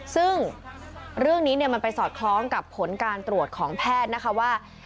ซึ่งเรื่องนี้มันไปสอดคล้องกับผลการตรวจของแพทย์นะคะว่า